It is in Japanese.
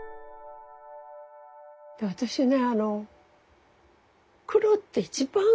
私ね